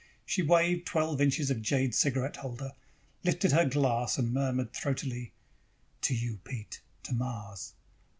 She waved twelve inches of jade cigarette holder, lifted her glass and murmured throatily: "To you, Pete. To Mars."